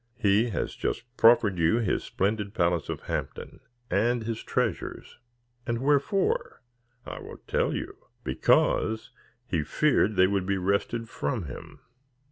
He has just proffered you his splendid palace of Hampton, and his treasures; and wherefore? I will tell you: because he feared they would be wrested from him.